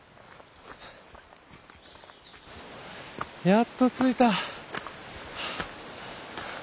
やっと着いた！